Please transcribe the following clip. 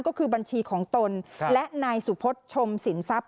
ก็คือบัญชีของตนและนายสุพธชมสินทรัพย